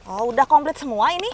oh udah komplit semua ini